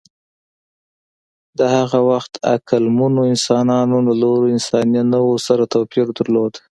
د هغه وخت عقلمنو انسانانو له نورو انساني نوعو سره توپیر درلود.